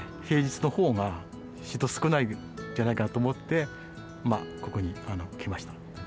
平日のほうが人少ないんじゃないかなと思って、ここに来ました。